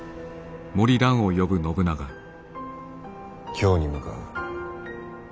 京に向かう。